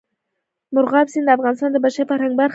مورغاب سیند د افغانستان د بشري فرهنګ برخه ده.